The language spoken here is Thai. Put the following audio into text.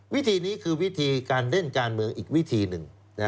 วิธีนี้คือวิธีการเล่นการเมืองอีกวิธีหนึ่ง